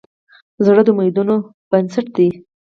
زړه د امیدونو بنسټ دی.